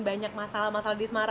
banyak masalah masalah di semarang